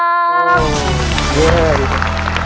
โอ้โหเย้ดีครับ